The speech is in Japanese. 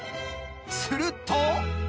［すると］